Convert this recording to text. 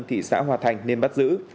thị xã hòa thành nên bắt giữ